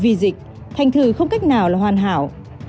vì dịch thành thử không cách nào là hoàn hảo